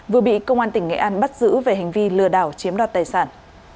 vừa bị công an tỉnh nghệ an bắt giữ về hành vi lừa đảo chiếm đoạt tài sản